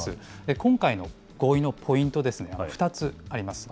今回の合意のポイントですね、２つあります。